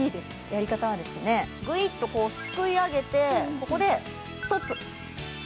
やり方は、ぐいっとこう、すくい上げて、ここでストップ。